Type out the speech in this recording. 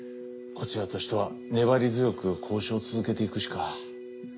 こちらとしては粘り強く交渉を続けていくしか。